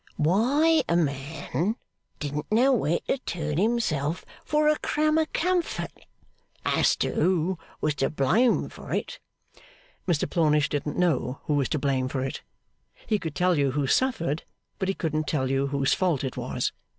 Why, a man didn't know where to turn himself for a crumb of comfort. As to who was to blame for it, Mr Plornish didn't know who was to blame for it. He could tell you who suffered, but he couldn't tell you whose fault it was.